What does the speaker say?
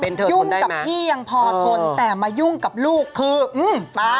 ยุ่งกับพี่ยังพอทนแต่มายุ่งกับลูกคือตา